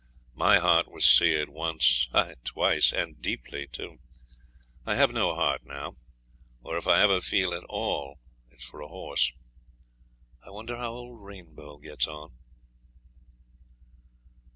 My heart was seared once ay, twice and deeply, too. I have no heart now, or if I ever feel at all it's for a horse. I wonder how old Rainbow gets on.'